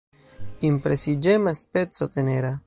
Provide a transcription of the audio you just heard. Impresiĝema, speco, tenera.